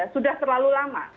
sudah terlalu lama